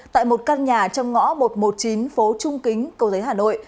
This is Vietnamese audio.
tại một căn nhà trong ngõ một trăm một mươi chín phố trung kính cầu giấy hà nội